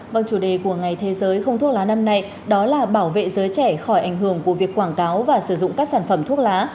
vâng chủ đề của ngày thế giới không thuốc lá năm nay đó là bảo vệ giới trẻ khỏi ảnh hưởng của việc quảng cáo và sử dụng các sản phẩm thuốc lá